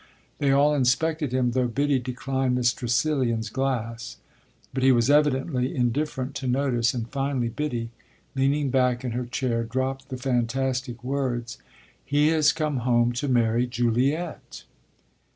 They all inspected him, though Biddy declined Miss Tressilian's glass; but he was evidently indifferent to notice and finally Biddy, leaning back in her chair, dropped the fantastic words: "He has come home to marry Juliet!"